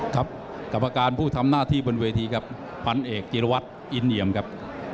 กรรมการผู้ทำหน้าที่บนเวทีครับพันเอกจิรวัตรอินเนียมครับ